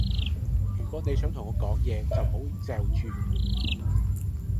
如果你想同我講嘢，就唔好嚼住